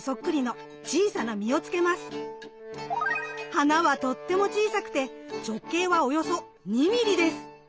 花はとっても小さくて直径はおよそ２ミリです。